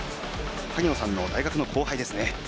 萩野さんの大学の後輩ですね。